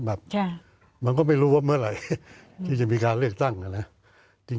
แบบมันก็ไม่รู้ว่าเมื่อไหร่ที่จะมีการเลือกตั้งอ่ะนะจริง